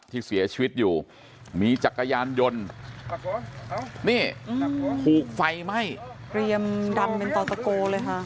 ที่เสียชีวิตอยู่มีจักรยานยนต์นี่ถูกไฟไหม้เรียมดำเป็นต่อตะโกเลยค่ะ